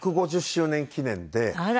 あら。